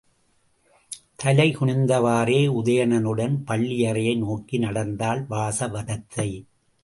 தலை குனிந்தவாறே உதயணனுடன் பள்ளியறையை நோக்கி நடந்தாள் வாசவதத்தை.